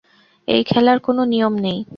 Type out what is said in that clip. এই খেলার কোন নিয়ম নেই।